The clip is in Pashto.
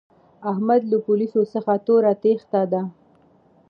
احمد له پوليسو څخه توره تېښته ده.